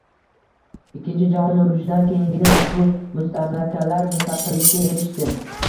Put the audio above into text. Ikkinchi jahon urushidan keyingina ushbu mustamlakalar mustaqillikka erishdi